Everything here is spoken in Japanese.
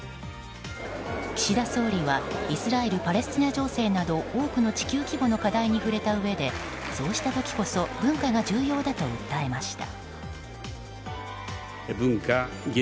岸田総理はイスラエルパレスチナ情勢など多くの地球規模の課題に触れたうえでそうした時こそ文化が重要だと訴えました。